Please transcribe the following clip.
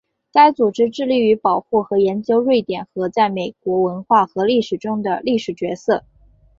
该组织致力于保护和研究瑞典和在美国文化和历史中的历史角色。